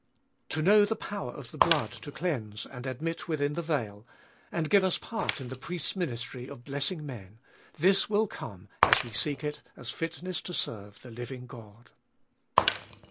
To know the power of the blood to cleanse and Ifoolfest of BU 309 admit within the veil, and give us part in the priests' ministry of blessing men : this will come as we seek it as fitness to serve the living God.